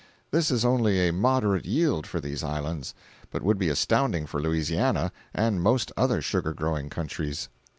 This is only a moderate yield for these islands, but would be astounding for Louisiana and most other sugar growing countries.